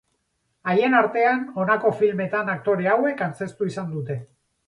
Haien artean honako filmetan aktore hauek antzeztu izan dute.